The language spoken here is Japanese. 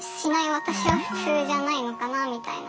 私は普通じゃないのかなみたいな。